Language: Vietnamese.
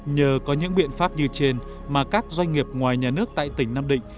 nhờ có những biện pháp như trên mà các doanh nghiệp ngoài nhà nước tại tỉnh nam định